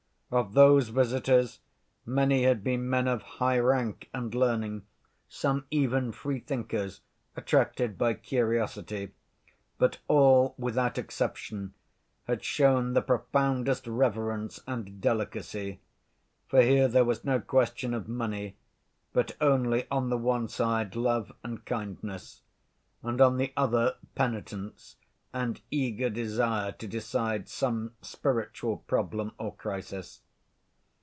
Of those visitors, many had been men of high rank and learning, some even freethinkers, attracted by curiosity, but all without exception had shown the profoundest reverence and delicacy, for here there was no question of money, but only, on the one side love and kindness, and on the other penitence and eager desire to decide some spiritual problem or crisis.